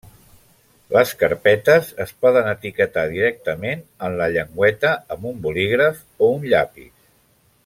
Les carpetes es poden etiquetar directament en la llengüeta amb un bolígraf o un llapis.